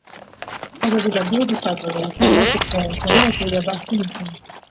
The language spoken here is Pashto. ازادي راډیو د سوداګري په اړه په ژوره توګه بحثونه کړي.